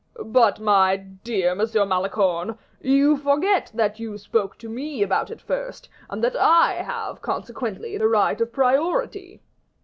"But, my dear Monsieur Malicorne, you forget that you spoke to me about it the first, and that I have consequently the right of priority."